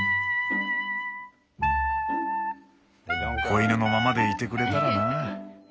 子犬のままでいてくれたらな。